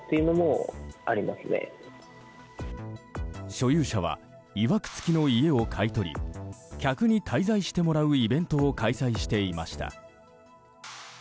所有者はいわく付きの家を買い取り客に滞在してもらうイベントを開催していました。